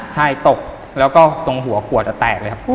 ใช่ตกแล้วก็ตรงหัวขวดแตกเลยครับ